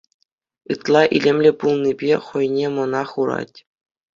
Ытла илемлӗ пулнипе хӑйне мӑна хурать.